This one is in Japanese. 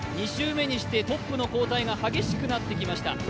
２周目にしてトップの交代が激しくなってきました。